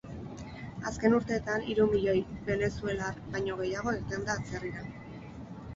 Azken urteetan hiru milioi venezuelar baino gehiago irten da atzerrira.